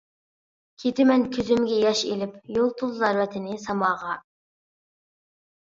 كېتىمەن كۆزۈمگە ياش ئېلىپ، يۇلتۇزلار ۋەتىنى ساماغا.